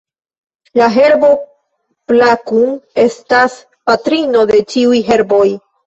La herbo Plakun estas patrino de ĉiuj herboj.